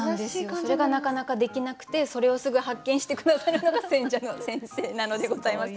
それがなかなかできなくてそれをすぐ発見して下さるのが選者の先生なのでございます。